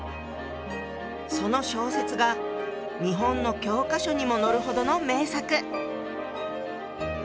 その小説が日本の教科書にも載るほどの名作！